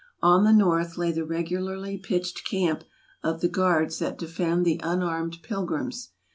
On the north lay the regularly pitched camp of the guards that defend the unarmed pilgrims.